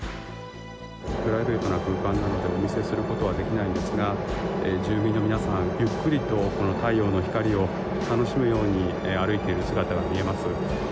プライベートな空間なのでお見せすることはできないんですが、住民の皆さんゆっくりと太陽の光を楽しむように歩いている姿が見えます。